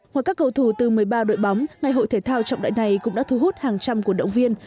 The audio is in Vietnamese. ngoài các cầu thủ từ một mươi ba đội bóng ngày hội thể thao trọng đại này cũng đã thu hút hàng trăm cổ động viên